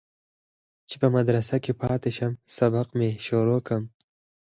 چې په مدرسه كښې پاته سم سبقان مې شروع كم.